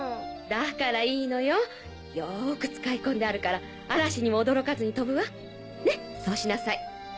だからいいのよよく使い込んであるから嵐にも驚かずに飛ぶわねっそうしなさい。